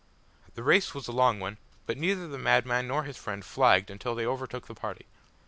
The race was a long one, but neither the madman nor his friend flagged until they overtook the party.